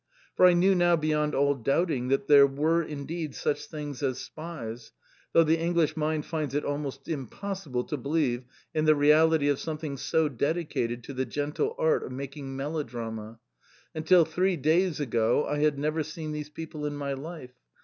For I knew now, beyond all doubting, that there were indeed such things as spies, though the English mind finds it almost impossible to believe in the reality of something so dedicated to the gentle art of making melodrama. Until three days ago I had never seen these people in my life.